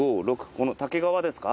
この武川ですか。